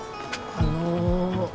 あの。